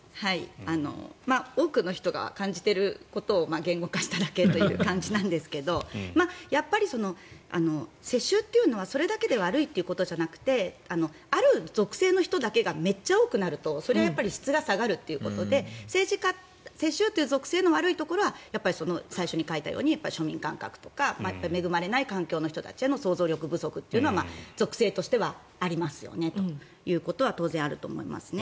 多くの人が感じてることを言語化しただけという感じなんですけどやっぱり、世襲というのはそれだけで悪いということじゃなくてある属性の人だけがめっちゃ多くなるとそれは質が下がるということで世襲という属性の悪いところは最初に書いたように庶民感覚とか恵まれない環境の人たちへの想像力不足とか属性としてはありますよねということは当然あると思いますね。